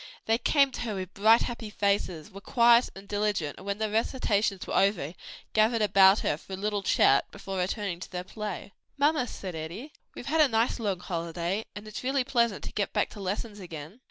They came to her with bright, happy faces, were quiet and diligent and when the recitations were over, gathered about her for a little chat before returning to their play. "Mamma," said Eddie, "we've had a nice long holiday, and it's really pleasant to get back to lessons again."